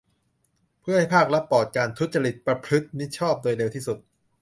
เพื่อให้ภาครัฐปลอดการทุจริต ประพฤติมิชอบโดยเร็วที่สุด